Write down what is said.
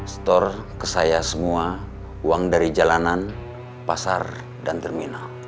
store ke saya semua uang dari jalanan pasar dan terminal